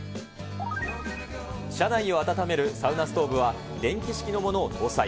車内を暖めるサウナストーブは電気式のものを搭載。